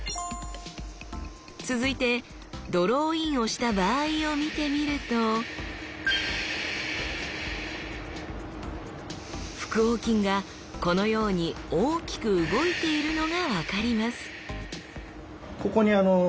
続いてドローインをした場合を見てみると腹横筋がこのように大きく動いているのが分かります